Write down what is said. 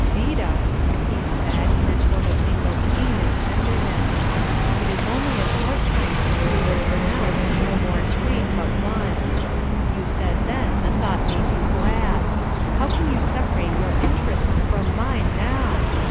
"Vida," he said, in a tone of mingled pain and tenderness, "it is only a short time since we were pronounced 'no more twain hut one;' you said then the thought made you glad. How can you separate your interests from mine now?